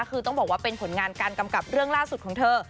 คือต้องบอกว่าเป็นผลงานการกำกับเรื่องล่าสุดของเธอ